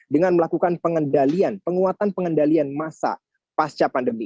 dengan melakukan pengendalian penguatan pengendalian masa pasca pandemi